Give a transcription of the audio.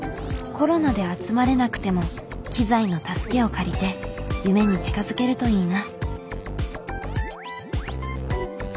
コロナで集まれなくても機材の助けを借りて夢に近づけるといいな。